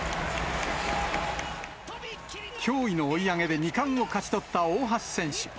驚異の追い上げで２冠を勝ち取った大橋選手。